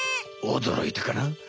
おどろいたかな？